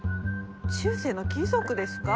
中世の貴族ですか？